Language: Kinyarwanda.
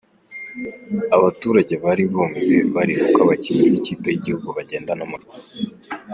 Abaturage bari bumiwe bareba uko abakinnyi b'ikipe y'igihugu bagenda n'amaguru.